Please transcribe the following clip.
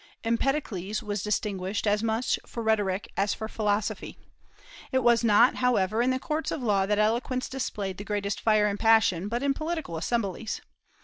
Empedocles was distinguished as much for rhetoric as for philosophy. It was not, however, in the courts of law that eloquence displayed the greatest fire and passion, but in political assemblies.